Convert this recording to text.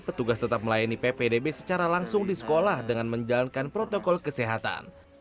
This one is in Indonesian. petugas tetap melayani ppdb secara langsung di sekolah dengan menjalankan protokol kesehatan